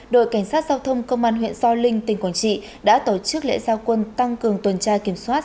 đội cảnh sát giao thông công an huyện do linh tỉnh quảng trị đã tổ chức lễ giao quân tăng cường tuần tra kiểm soát